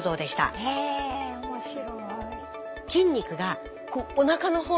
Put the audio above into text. へえ面白い。